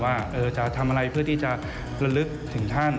ว่าจะทำอะไรเพื่อที่จะระลึกถึงท่าน